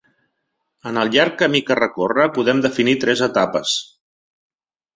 En el llarg camí que recorre podem definir tres etapes.